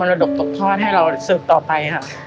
รดกตกทอดให้เราสืบต่อไปค่ะ